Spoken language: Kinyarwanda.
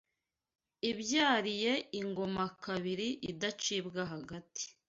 Ibyariye ingoma kabiri Idacibwa hagati